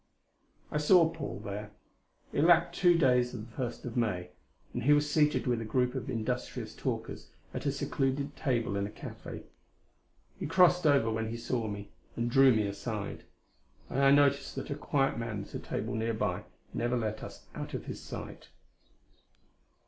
I saw Paul there. It lacked two days of the First of May, and he was seated with a group of industrious talkers at a secluded table in a cafe. He crossed over when he saw me, and drew me aside. And I noticed that a quiet man at a table nearby never let us out of his sight.